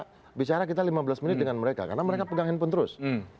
kita bicara kita lima belas menit dengan mereka karena mereka pegang handphone terus